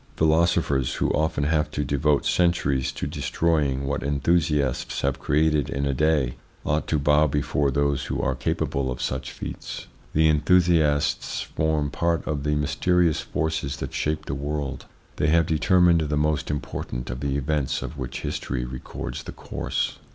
Philosophers, who often have to devote centuries to destroying what enthusiasts have created in a day, ought to bow before those who are ITS INFLUENCE ON THEIR EVOLUTION 207 capable of such feats. The enthusiasts form part of the mysterious forces that shape the world. They have determined the most important of the events of which history records the course.